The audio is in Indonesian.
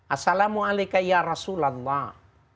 assalamualaikum ya rasulullah